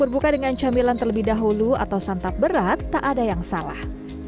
berbuka dengan camilan terlebih dahulu atau santap berat tak ada yang salah